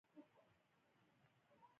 د لمر راختو ته کتل یو خوږ خوند لري.